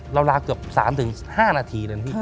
ลาเกือบ๓๕นาทีเลยนะพี่